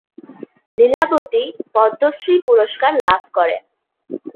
লীলাবতী পদ্মশ্রী পুরস্কার লাভ করেন।